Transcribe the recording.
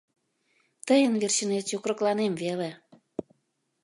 — Тыйын верчынет йокрокланем веле.